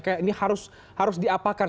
kayak ini harus diapakan